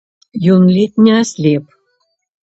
Ён ледзь не аслеп.